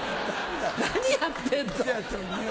何やってんの！